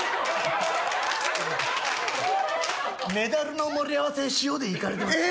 メダルの盛り合わせ塩でいかれてます。